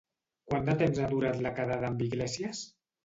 Quant de temps ha durat la quedada amb Iglesias?